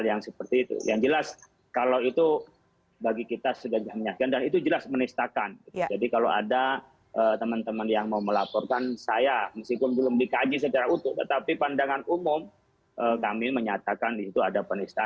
apa yang masuk dalam hal ini